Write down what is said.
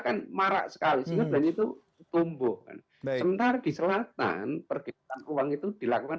kan marah sekali sehingga belanya itu tumbuh sementara di selatan pergeseran uang itu dilakukan